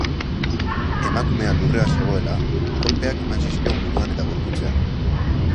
Emakumea lurrean zegoela, kolpeak eman zizkion buruan eta gorputzean.